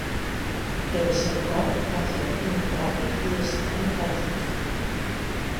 El seu cor va fer un ràpid i estrany batec.